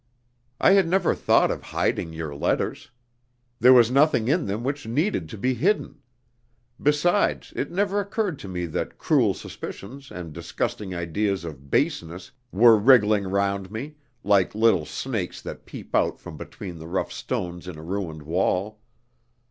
"I had never thought of hiding your letters. There was nothing in them which needed to be hidden. Besides, it never occurred to me that cruel suspicions and disgusting ideas of baseness were wriggling round me, like little snakes that peep out from between the rough stones in a ruined wall.